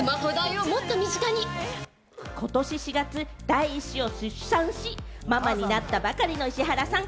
ことし４月、第１子を出産し、ママになったばかりの石原さん。